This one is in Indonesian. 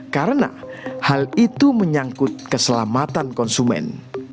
karena hal itu menyangkut keselamatan konsumen